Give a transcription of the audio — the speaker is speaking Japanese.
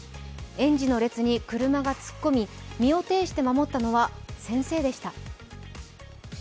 園児の列に車が突っ込み、身を挺して守ったのは先生でした。